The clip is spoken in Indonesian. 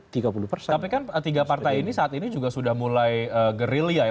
tapi kan tiga partai ini saat ini juga sudah mulai gerilya ya